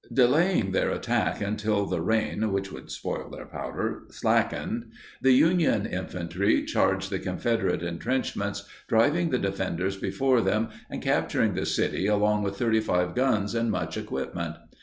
Delaying their attack until the rain (which would spoil their powder) slackened, the Union infantry charged the Confederate entrenchments, driving the defenders before them and capturing the city along with 35 guns and much equipment.